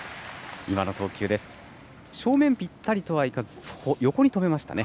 正面ぴったりとはいかず横に止めましたね。